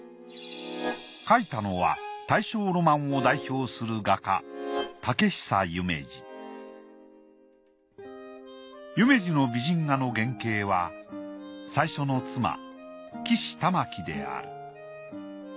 描いたのは大正ロマンを代表する画家竹久夢二夢二の美人画の原型は最初の妻岸たまきである。